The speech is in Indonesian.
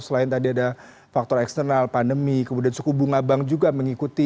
selain tadi ada faktor eksternal pandemi kemudian suku bunga bank juga mengikuti